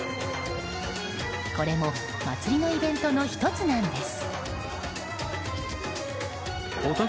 これも祭りのイベントの１つなんです。